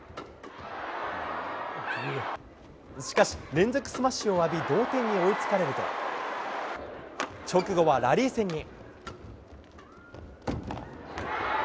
しかし、連続スマッシュを浴び、同点に追いつかれると、直後はラリー戦に。